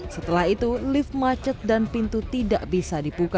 setelah itu lift macet dan pintu tidak bisa dibuka